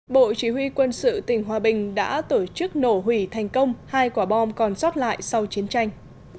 bộ chỉ huy quân sự tỉnh hòa bình đã tổ chức nổ hủy thành công hai quả bom còn rót lại sau chiến tranh